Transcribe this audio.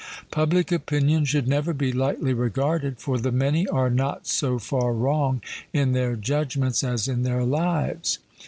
Public opinion should never be lightly regarded, for the many are not so far wrong in their judgments as in their lives.